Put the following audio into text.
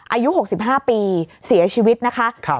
อายุ๖๕ปีเสียชีวิตนะคะ